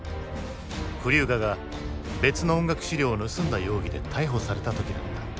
クリューガが別の音楽資料を盗んだ容疑で逮捕された時だった。